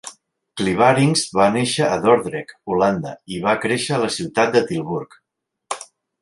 Clivaringz va néixer a Dordrecht, Holanda, i va créixer a la ciutat de Tilburg.